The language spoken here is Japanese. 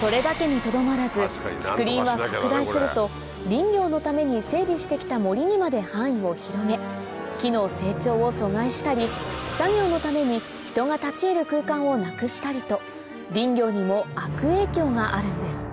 それだけにとどまらず竹林は拡大すると林業のために整備して来た森にまで範囲を広げ木の成長を阻害したり作業のために人が立ち入る空間をなくしたりと林業にも悪影響があるんです